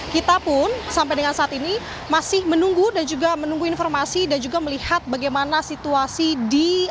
kita pun sampai dengan saat ini masih menunggu dan juga menunggu informasi dan juga melihat bagaimana situasi di